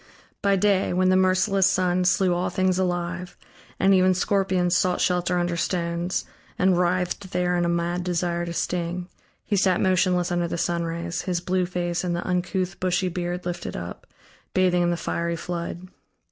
By day, when the merciless sun slew all things alive, and even scorpions sought shelter under stones and writhed there in a mad desire to sting, he sat motionless under the sunrays, his blue face and the uncouth, bushy beard lifted up, bathing in the fiery flood.